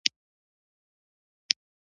کروندګر د کښت د هر پړاو اهمیت پېژني